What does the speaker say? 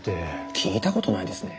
聞いたことないですね。